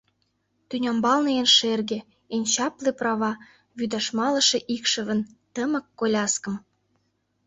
Тӱнямбалне эн шерге, Эн чапле права — Вӱдаш малыше икшывын тымык коляскым!